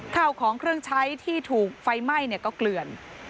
ข้าวของเครื่องใช้ที่ถูกไฟไหม้ก็เกลื่อน